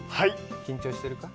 緊張してるか？